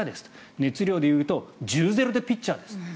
熱量で言うと１０対０でピッチャーです。